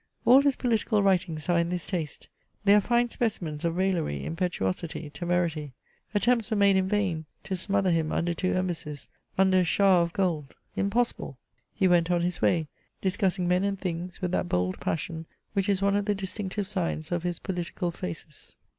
All his political writings are in this taste : they are fine specimens of rwllery, impetuosity, temerity. Attempts were made in vain to smother him under two embassies, under a shower of gold. Impossible. He went on his way, discus sing men and things, with that bold passion which is one of the distinctive signs of his political phasis.